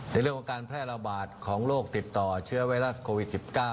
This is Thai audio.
ในเรื่องของการแพร่ระบาดของโรคติดต่อเชื้อไวรัสโควิด๑๙